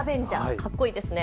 かっこいいですね。